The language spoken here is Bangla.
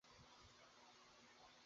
তিনি জেবহে মেলি দলের প্রধান ছিলেন।